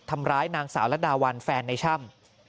ทำร้ายนางสาวระดาวันแฟนในช่ำ